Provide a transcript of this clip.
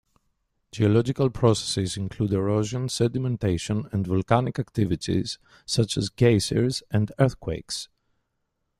Geological processes include erosion, sedimentation, and volcanic activities such as geysers and earthquakes.